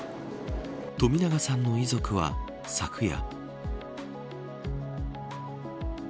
冨永さんの遺族は、昨夜。